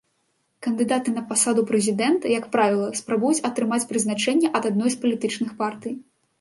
Кандыдаты на пасаду прэзідэнта, як правіла, спрабуюць атрымаць прызначэнне ад адной з палітычных партый.